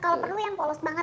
kalau perlu yang polos banget